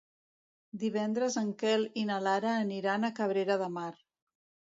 Divendres en Quel i na Lara aniran a Cabrera de Mar.